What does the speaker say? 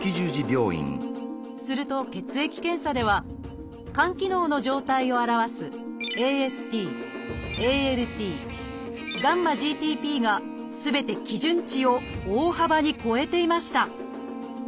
すると血液検査では肝機能の状態を表すＡＳＴＡＬＴγ−ＧＴＰがすべて基準値を大幅に超えていました